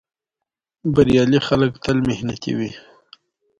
د شهید کرزي تلین مراسم په دې چمن کې وو.